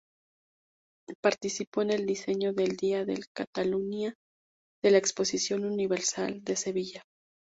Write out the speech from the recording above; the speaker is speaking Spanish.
Participó en el diseño del "Dia de Catalunya" de la Exposición Universal de Sevilla.